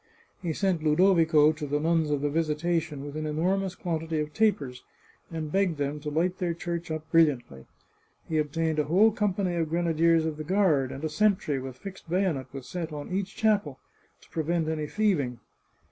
He sent Ludovico to the Nuns of the Visitation with an enormous quantity of tapers, and begged them to light their church up brilliantly. He ob tained a whole company of grenadiers of the guard, and a sentry, with fixed bayonet, was set on each chapel, to prevent any thieving.